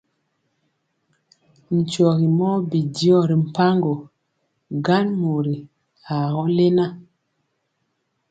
Nkyɔgi mɔ bi dyɔ ri mpaŋgo, gan mori aa gɔ lena.